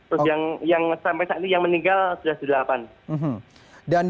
terus yang sampai saat ini yang meninggal sudah delapan